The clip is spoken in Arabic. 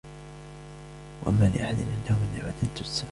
وما لأحد عنده من نعمة تجزى